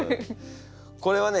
これはね